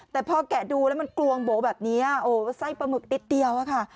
แต่พอแกะดูแล้วมันกลวงโบ๋แบบนี้โอ้ไส้ปลาหมึกนิดเดียวอะค่ะ